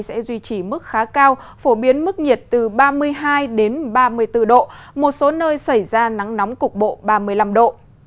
sẽ duy trì mức khá cao phổ biến mức nhiệt từ ba mươi hai ba mươi bốn độ một số nơi xảy ra nắng nóng cục bộ ba mươi năm độ